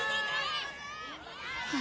は